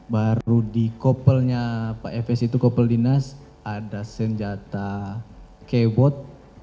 baru di kopelnya pak fs itu kopel dinas ada senjata kbot